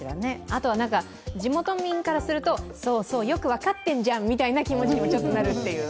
あとは地元民からすると、そうそう、よく分かってんじゃんという気持ちにもなるという。